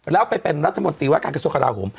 แล้วไปเป็นรัฐมนตรีว่าการกระทรวงกราโหม